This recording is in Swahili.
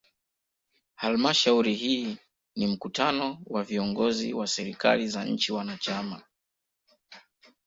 Halmashauri hii ni mkutano wa viongozi wa serikali za nchi wanachama.